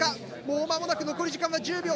もう間もなく残り時間は１０秒。